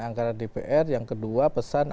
anggaran dpr yang kedua pesan